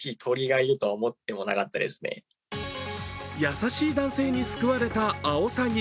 優しい男性に救われたアオサギ。